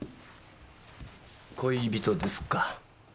恋人ですか？